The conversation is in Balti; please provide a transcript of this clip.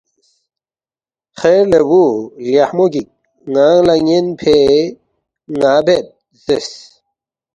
”خیر لے بُو لیخمو گِک، ن٘انگ لہ یَنفے ن٘ا بید“ زیرس